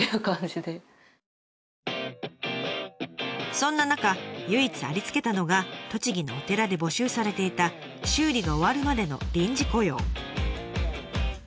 そんな中唯一ありつけたのが栃木のお寺で募集されていた修理が終わるまでの臨時雇用。